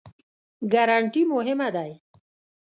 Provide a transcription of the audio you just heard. ګارنټي مهمه دی؟